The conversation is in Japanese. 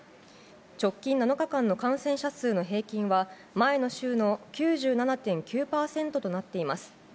直近７日間の感染者数の平均は、前の週の９７．９％となっています。